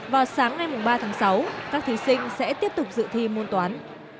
vào sáng ngày ba tháng sáu các thí sinh sẽ tiếp tục dự thi môn toán